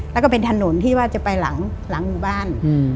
แล้วก็เป็นถนนที่ว่าจะไปหลังหมู่บ้าน